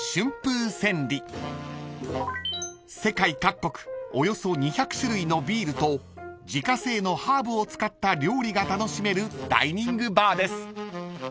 ［世界各国およそ２００種類のビールと自家製のハーブを使った料理が楽しめるダイニングバーです］